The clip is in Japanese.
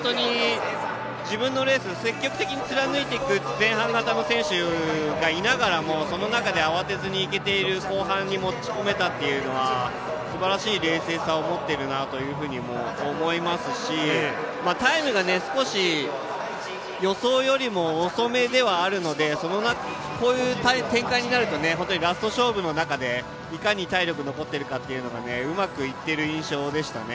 自分のレースを積極的に貫いていく前半型の選手がいながらもその中で慌てず行けて後半に持ち込めたのはすばらしい冷静さを持っていると思いますしタイムが少し予想よりも遅めではあるのでこういう展開になると本当にラスト勝負の中でいかに体力が残っているかがうまくいっている印象でしたね。